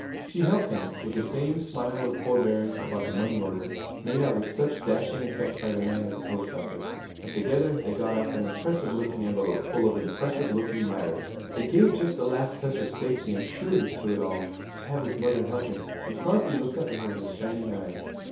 She helped him, with the same smile of forbearance, about the money order, made out with such dashing effect by the man at the post office, and together they got off an impressive looking envelope full of impressive looking matter. It gave just the last touch of safety and surety to it all to have his mother helping, and Crosby looked up at her with shining eyes.